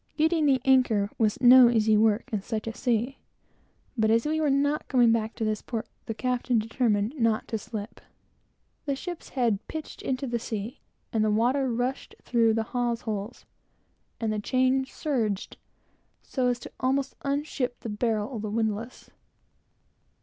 Getting the anchor was no easy work in such a sea, but as we were not coming back to this port, the captain determined not to slip. The ship's head pitched into the sea, and the water rushed through the hawse holes, and the chain surged so as almost to unship the barrel of the windlass.